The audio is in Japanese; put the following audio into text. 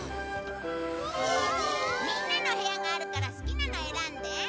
みんなの部屋があるから好きなのを選んで。